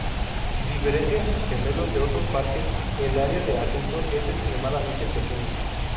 Diferente a sus gemelas de otros parques, el área de ascenso es extremadamente pequeña.